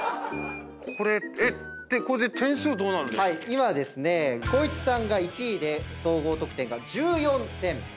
今ですね光一さんが１位で総合得点が１４点。